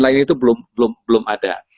lain itu belum belum belum ada